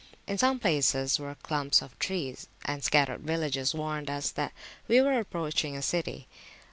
In some places were clumps of trees, and scattered villages warned us that we were approaching a city.